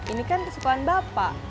ini kan kesukaan bapak